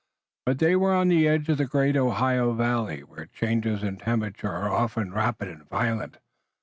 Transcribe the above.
But they were on the edge of the great Ohio Valley, where changes in temperature are often rapid and violent.